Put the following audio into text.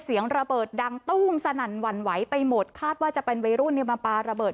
เสียงระเบิดดังตู้มสนั่นหวั่นไหวไปหมดคาดว่าจะเป็นวัยรุ่นเนี่ยมาปลาระเบิด